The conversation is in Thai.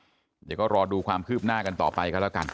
เดี๋ยวก็รอดูความคืบหน้ากันต่อไปกันแล้วกัน